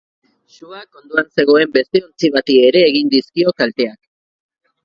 Suak ondoan zegoen beste ontzi bati ere egin dizkio kalteak.